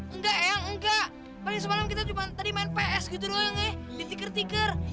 enggak ayang enggak paling semalam kita cuma tadi main ps gitu loh yang nih ditiker tiker